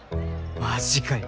マジかよ